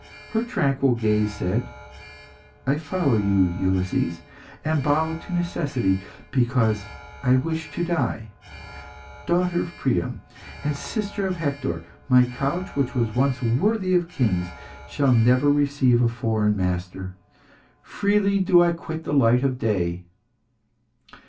Her tranquil gaze said "I follow you, Ulysses, and bow to necessity because I wish to die. Daughter of Priam, and sister of Hector, my couch, which was once worthy of Kings, shall never receive a foreign master. Freely do I quit the light of day."